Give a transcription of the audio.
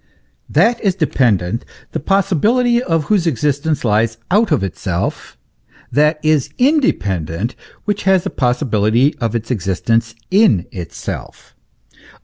That is dependent, the possibility of whose existence lies out of itself; that is independent which has the possibility of its existence in itself.